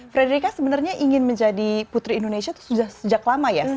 frederica sebenarnya ingin menjadi putri indonesia itu sudah sejak lama ya